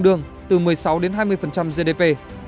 đường từ một mươi sáu hai mươi gdp